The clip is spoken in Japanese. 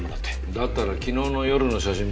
だったら昨日の夜の写真もあるだろ？